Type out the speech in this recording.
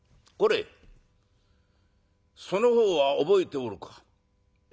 これその方は覚えておるか？」。